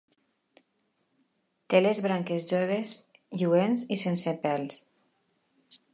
Té les branques joves lluents i sense pèls.